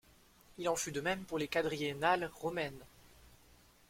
Il en fut de même pour les Quadriennales romaines.